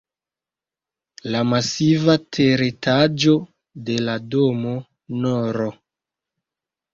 La masiva teretaĝo de la domo nr.